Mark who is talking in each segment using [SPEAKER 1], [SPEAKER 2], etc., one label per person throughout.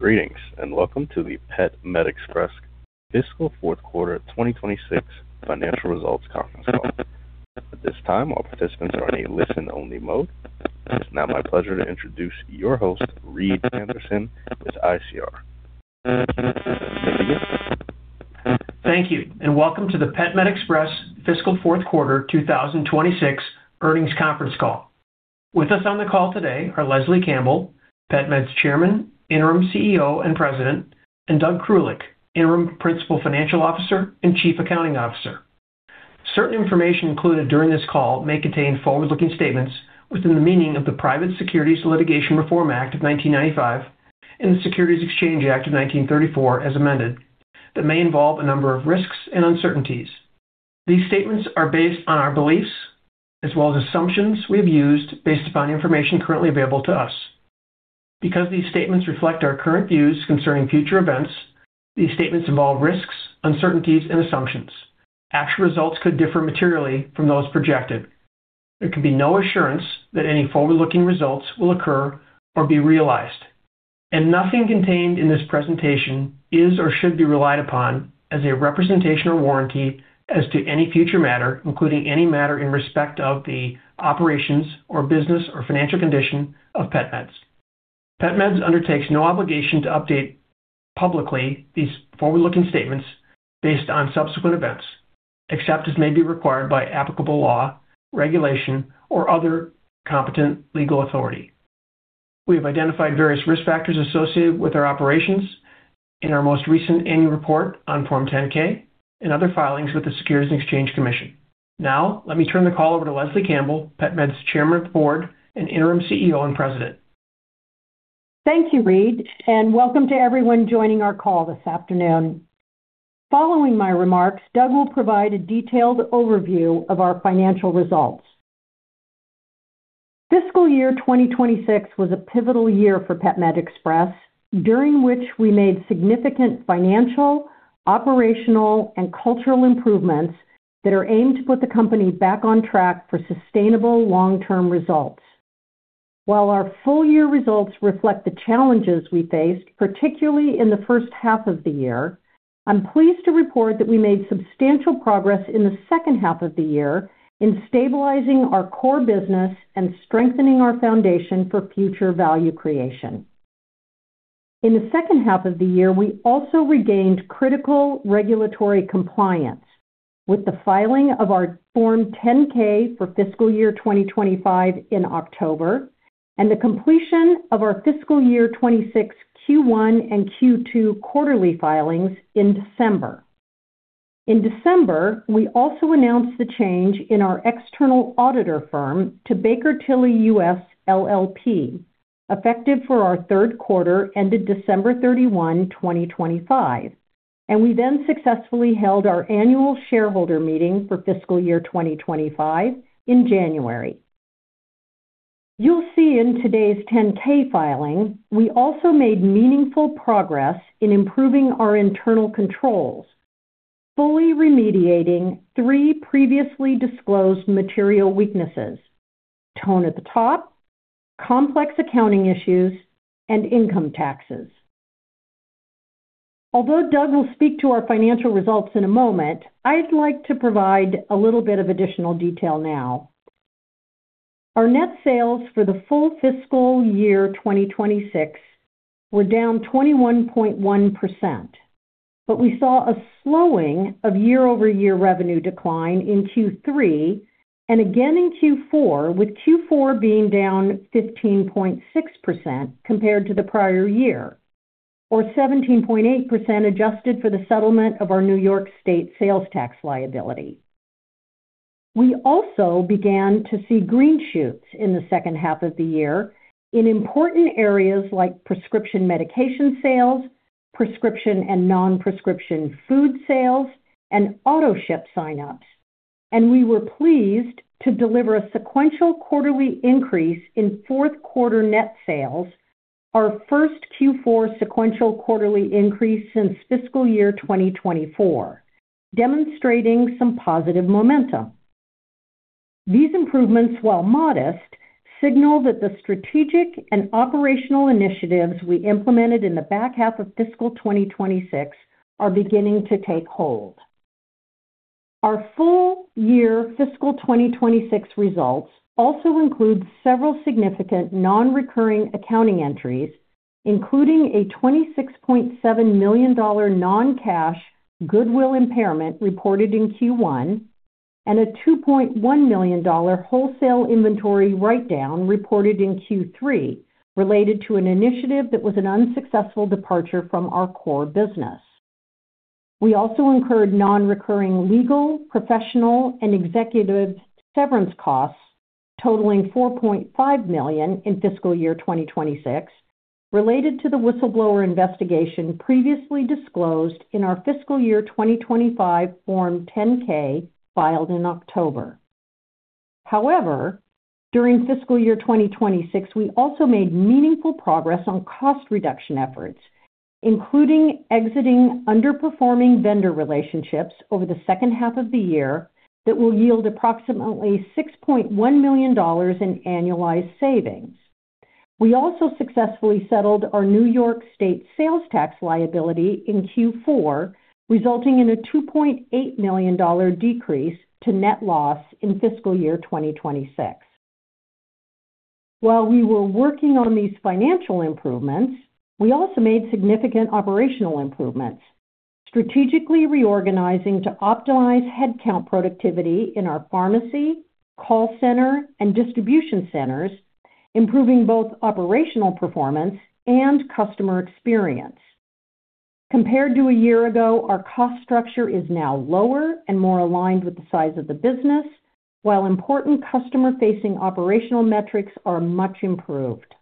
[SPEAKER 1] Greetings, and welcome to the PetMed Express Fiscal Fourth Quarter 2026 Financial Results Conference Call. At this time, all participants are in a listen-only mode. It's now my pleasure to introduce your host, Reed Anderson with ICR. To begin.
[SPEAKER 2] Thank you, and welcome to the PetMed Express Fiscal Fourth Quarter 2026 Earnings Conference Call. With us on the call today are Leslie Campbell, PetMed Chairman, Interim CEO, and President, and Doug Krulik, Interim Principal Financial Officer and Chief Accounting Officer. Certain information included during this call may contain forward-looking statements within the meaning of the Private Securities Litigation Reform Act of 1995 and the Securities Exchange Act of 1934, as amended, that may involve a number of risks and uncertainties. These statements are based on our beliefs as well as assumptions we have used based upon information currently available to us. Because these statements reflect our current views concerning future events, these statements involve risks, uncertainties, and assumptions. Actual results could differ materially from those projected. There can be no assurance that any forward-looking results will occur or be realized, and nothing contained in this presentation is or should be relied upon as a representation or warranty as to any future matter, including any matter in respect of the operations or business or financial condition of PetMed's. PetMed's undertakes no obligation to update publicly these forward-looking statements based on subsequent events, except as may be required by applicable law, regulation, or other competent legal authority. We have identified various risk factors associated with our operations in our most recent annual report on Form 10-K and other filings with the Securities and Exchange Commission. Let me turn the call over to Leslie Campbell, PetMed's Chairman of the Board and Interim CEO and President.
[SPEAKER 3] Thank you, Reed, and welcome to everyone joining our call this afternoon. Following my remarks, Doug will provide a detailed overview of our financial results. Fiscal year 2026 was a pivotal year for PetMed Express, during which we made significant financial, operational, and cultural improvements that are aimed to put the company back on track for sustainable long-term results. While our full-year results reflect the challenges we faced, particularly in the first half of the year, I'm pleased to report that we made substantial progress in the second half of the year in stabilizing our core business and strengthening our foundation for future value creation. In the second half of the year, we also regained critical regulatory compliance with the filing of our Form 10-K for fiscal year 2025 in October and the completion of our fiscal year 2026 Q1 and Q2 quarterly filings in December. In December, we also announced the change in our external auditor firm to Baker Tilly US, LLP, effective for our third quarter ended December 31, 2025. We then successfully held our annual shareholder meeting for fiscal year 2025 in January. You'll see in today's 10-K filing, we also made meaningful progress in improving our internal controls, fully remediating three previously disclosed material weaknesses: tone at the top, complex accounting issues, and income taxes. Although Doug will speak to our financial results in a moment, I'd like to provide a little bit of additional detail now. Our net sales for the full fiscal year 2026 were down 21.1%, but we saw a slowing of year-over-year revenue decline in Q3 and again in Q4, with Q4 being down 15.6% compared to the prior year or 17.8% adjusted for the settlement of our New York State sales tax liability. We also began to see green shoots in the second half of the year in important areas like prescription medication sales, prescription and non-prescription food sales, and auto-ship signups, and we were pleased to deliver a sequential quarterly increase in fourth quarter net sales, our first Q4 sequential quarterly increase since fiscal year 2024, demonstrating some positive momentum. These improvements, while modest, signal that the strategic and operational initiatives we implemented in the back half of fiscal 2026 are beginning to take hold. Our full-year fiscal 2026 results also include several significant non-recurring accounting entries, including a $26.7 million non-cash goodwill impairment reported in Q1 and a $2.1 million wholesale inventory write-down reported in Q3 related to an initiative that was an unsuccessful departure from our core business. We also incurred non-recurring legal, professional, and executive severance costs totaling $4.5 million in fiscal year 2026 related to the whistleblower investigation previously disclosed in our fiscal year 2025 Form 10-K filed in October. However, during fiscal year 2026, we also made meaningful progress on cost reduction efforts, including exiting underperforming vendor relationships over the second half of the year that will yield approximately $6.1 million in annualized savings. We also successfully settled our New York State sales tax liability in Q4, resulting in a $2.8 million decrease to net loss in fiscal year 2026. While we were working on these financial improvements, we also made significant operational improvements, strategically reorganizing to optimize headcount productivity in our pharmacy, call center, and distribution centers, improving both operational performance and customer experience. Compared to a year ago, our cost structure is now lower and more aligned with the size of the business, while important customer-facing operational metrics are much improved.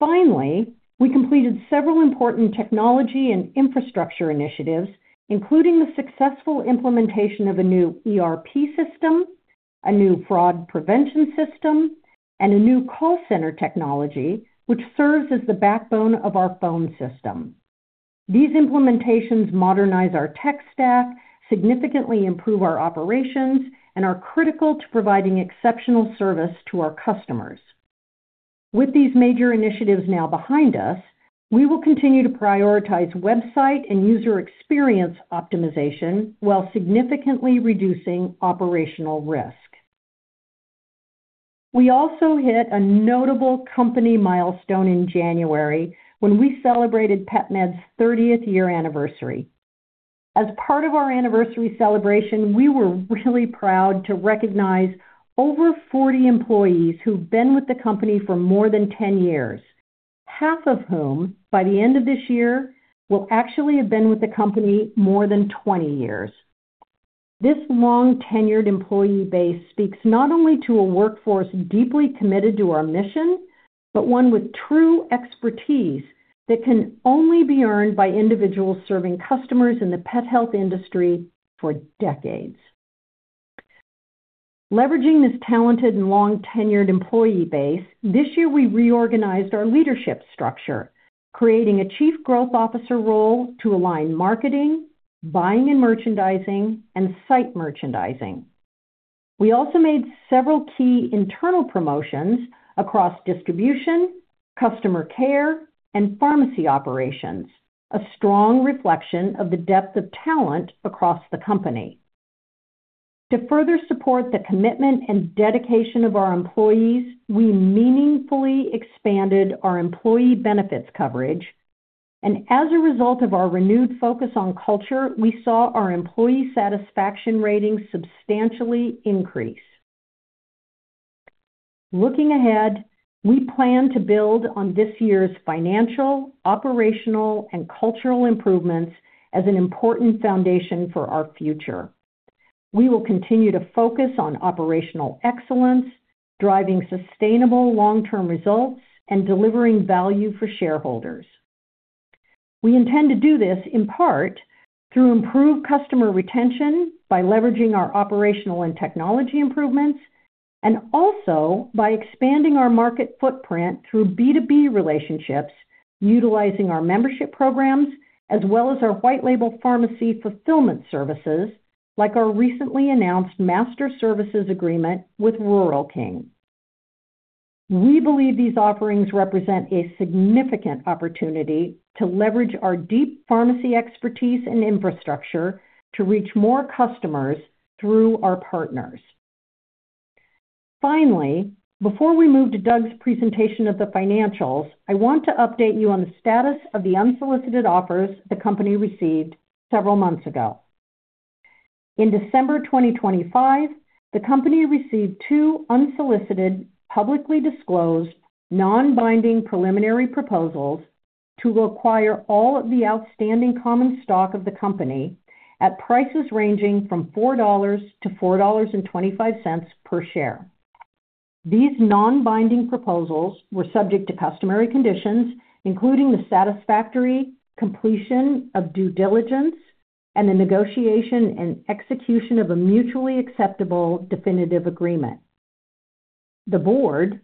[SPEAKER 3] Finally, we completed several important technology and infrastructure initiatives, including the successful implementation of a new ERP system, a new fraud prevention system, and a new call center technology, which serves as the backbone of our phone system. These implementations modernize our tech stack, significantly improve our operations, and are critical to providing exceptional service to our customers. With these major initiatives now behind us, we will continue to prioritize website and user experience optimization while significantly reducing operational risk. We also hit a notable company milestone in January when we celebrated PetMed's 30th year anniversary. As part of our anniversary celebration, we were really proud to recognize over 40 employees who've been with the company for more than 10 years, half of whom, by the end of this year, will actually have been with the company more than 20 years. This long-tenured employee base speaks not only to a workforce deeply committed to our mission, but one with true expertise that can only be earned by individuals serving customers in the pet health industry for decades. Leveraging this talented and long-tenured employee base, this year, we reorganized our leadership structure, creating a Chief Growth Officer role to align marketing, buying and merchandising, and site merchandising. We also made several key internal promotions across distribution, customer care, and pharmacy operations, a strong reflection of the depth of talent across the company. To further support the commitment and dedication of our employees, we meaningfully expanded our employee benefits coverage. As a result of our renewed focus on culture, we saw our employee satisfaction ratings substantially increase. Looking ahead, we plan to build on this year's financial, operational, and cultural improvements as an important foundation for our future. We will continue to focus on operational excellence, driving sustainable long-term results, and delivering value for shareholders. We intend to do this, in part, through improved customer retention by leveraging our operational and technology improvements, and also by expanding our market footprint through B2B relationships, utilizing our membership programs, as well as our white label pharmacy fulfillment services, like our recently announced master services agreement with Rural King. We believe these offerings represent a significant opportunity to leverage our deep pharmacy expertise and infrastructure to reach more customers through our partners. Finally, before we move to Doug's presentation of the financials, I want to update you on the status of the unsolicited offers the company received several months ago. In December 2025, the company received two unsolicited, publicly disclosed, non-binding preliminary proposals to acquire all of the outstanding common stock of the company at prices ranging from $4-$4.25 per share. These non-binding proposals were subject to customary conditions, including the satisfactory completion of due diligence and the negotiation and execution of a mutually acceptable definitive agreement. The board,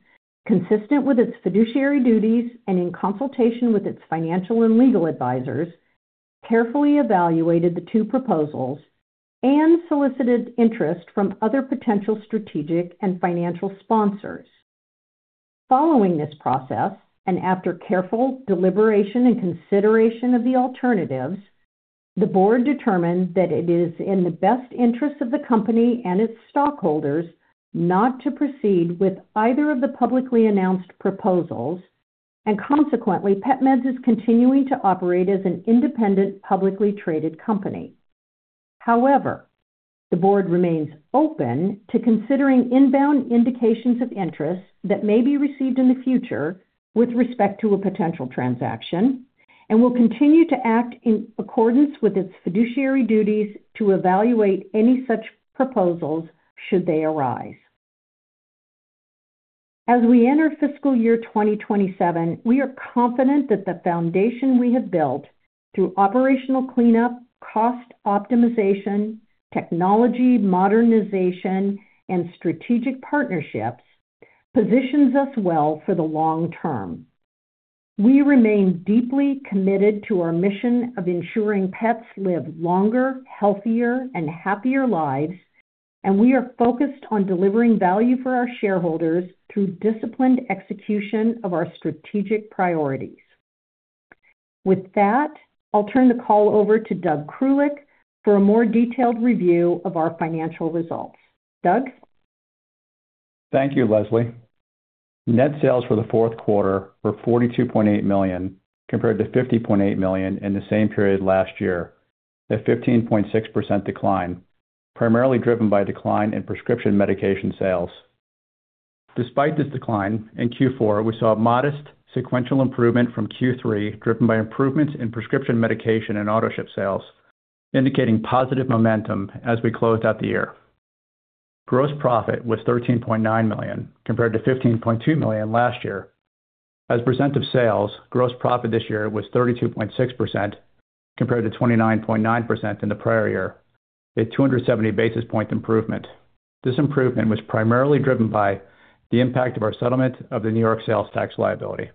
[SPEAKER 3] consistent with its fiduciary duties and in consultation with its financial and legal advisors, carefully evaluated the two proposals and solicited interest from other potential strategic and financial sponsors. Following this process, and after careful deliberation and consideration of the alternatives, the board determined that it is in the best interest of the company and its stockholders not to proceed with either of the publicly announced proposals, and consequently, PetMed is continuing to operate as an independent, publicly traded company. The board remains open to considering inbound indications of interest that may be received in the future with respect to a potential transaction and will continue to act in accordance with its fiduciary duties to evaluate any such proposals should they arise. As we enter fiscal year 2027, we are confident that the foundation we have built through operational cleanup, cost optimization, technology modernization, and strategic partnerships positions us well for the long term. We remain deeply committed to our mission of ensuring pets live longer, healthier, and happier lives. We are focused on delivering value for our shareholders through disciplined execution of our strategic priorities. With that, I'll turn the call over to Doug Krulik for a more detailed review of our financial results. Doug?
[SPEAKER 4] Thank you, Leslie. Net sales for the fourth quarter were $42.8 million, compared to $50.8 million in the same period last year, a 15.6% decline, primarily driven by a decline in prescription medication sales. Despite this decline, in Q4, we saw a modest sequential improvement from Q3, driven by improvements in prescription medication and autoship sales, indicating positive momentum as we closed out the year. Gross profit was $13.9 million, compared to $15.2 million last year. As a percent of sales, gross profit this year was 32.6%, compared to 29.9% in the prior year, a 270-basis point improvement. This improvement was primarily driven by the impact of our settlement of the New York sales tax liability.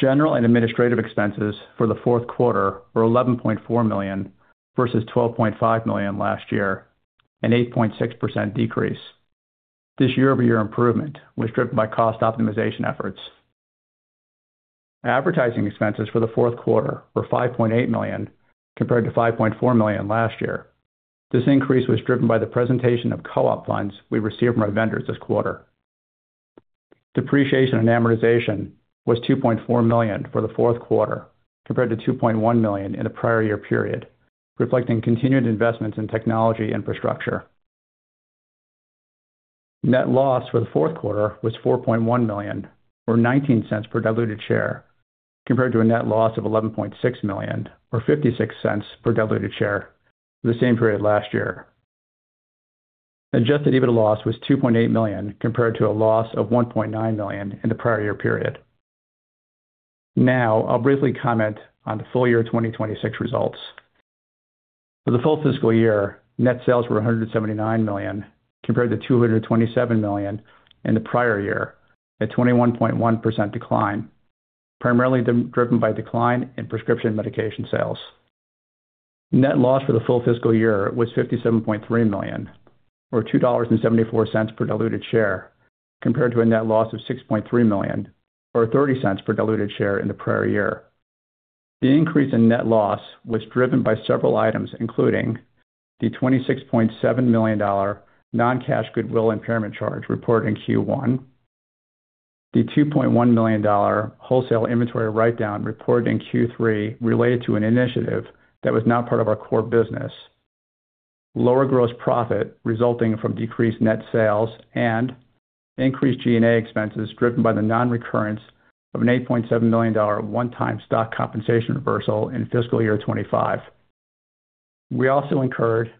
[SPEAKER 4] General and administrative expenses for the fourth quarter were $11.4 million versus $12.5 million last year, an 8.6% decrease. This year-over-year improvement was driven by cost optimization efforts. Advertising expenses for the fourth quarter were $5.8 million, compared to $5.4 million last year. This increase was driven by the presentation of co-op funds we received from our vendors this quarter. Depreciation and amortization was $2.4 million for the fourth quarter, compared to $2.1 million in the prior year period, reflecting continued investments in technology infrastructure. Net loss for the fourth quarter was $4.1 million, or $0.19 per diluted share, compared to a net loss of $11.6 million or $0.56 per diluted share for the same period last year. Adjusted EBITDA loss was $2.8 million, compared to a loss of $1.9 million in the prior year period. I'll briefly comment on the full year 2026 results. For the full fiscal year, net sales were $179 million, compared to $227 million in the prior year, a 21.1% decline, primarily driven by a decline in prescription medication sales. Net loss for the full fiscal year was $57.3 million or $2.74 per diluted share, compared to a net loss of $6.3 million or $0.30 per diluted share in the prior year. The increase in net loss was driven by several items, including the $26.7 million non-cash goodwill impairment charge reported in Q1, the $2.1 million wholesale inventory write-down reported in Q3 related to an initiative that was not part of our core business, lower gross profit resulting from decreased net sales, and increased G&A expenses driven by the non-recurrence of an $8.7 million one-time stock compensation reversal in fiscal year 2025. We also incurred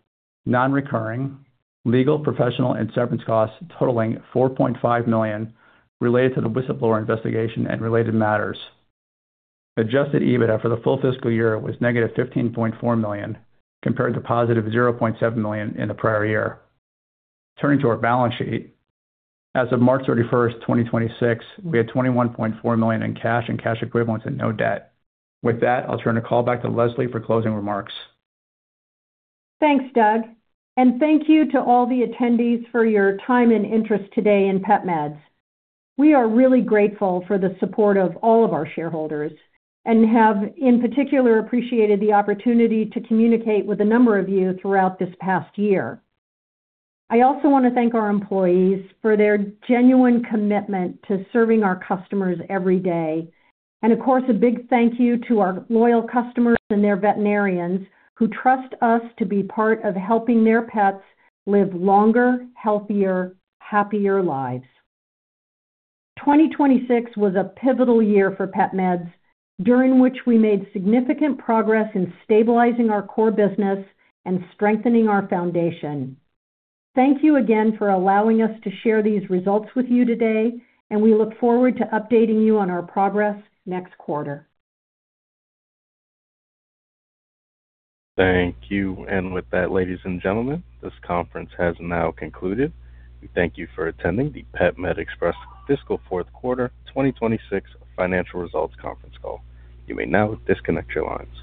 [SPEAKER 4] non-recurring legal, professional, and severance costs totaling $4.5 million related to the whistleblower investigation and related matters. Adjusted EBITDA for the full fiscal year was negative $15.4 million, compared to positive $0.7 million in the prior year. Turning to our balance sheet, as of March 31st, 2026, we had $21.4 million in cash and cash equivalents and no debt. With that, I'll turn the call back to Leslie for closing remarks.
[SPEAKER 3] Thanks, Doug. Thank you to all the attendees for your time and interest today in PetMeds. We are really grateful for the support of all of our shareholders and have, in particular, appreciated the opportunity to communicate with a number of you throughout this past year. I also want to thank our employees for their genuine commitment to serving our customers every day. Of course, a big thank you to our loyal customers and their veterinarians who trust us to be part of helping their pets live longer, healthier, happier lives. 2026 was a pivotal year for PetMeds, during which we made significant progress in stabilizing our core business and strengthening our foundation. Thank you again for allowing us to share these results with you today, and we look forward to updating you on our progress next quarter.
[SPEAKER 1] Thank you. With that, ladies and gentlemen, this conference has now concluded. We thank you for attending the PetMed Express fiscal fourth quarter 2026 financial results conference call. You may now disconnect your lines.